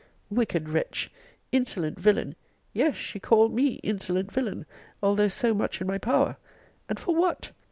Wicked wretch! Insolent villain! yes, she called me insolent villain, although so much in my power! And for what!